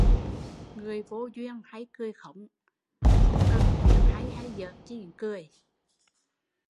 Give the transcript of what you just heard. Người vô duyên, hay cười khống, không cần chuyện hay hay dỡ cũng cười